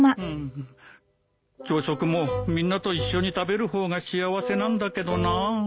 朝食もみんなと一緒に食べる方が幸せなんだけどな。